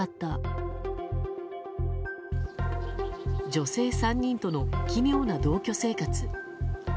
女性３人との奇妙な同居生活。